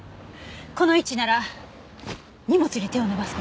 この位置なら荷物に手を伸ばす事も出来るわ。